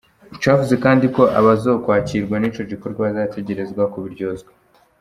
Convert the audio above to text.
Cavuze kandi ko abazokwagirwa n'ico gikorwa bategerezwa kubiryozwa.